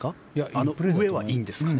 あの上はいいんですかね。